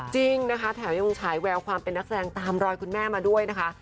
จริงนะคะแถมยังฉายแววความเป็นนักแสดงตามรอยคุณแม่มาด้วยนะคะ